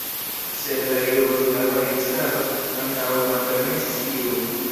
Sed la jugoslava registaro antaŭe malpermesis tiun.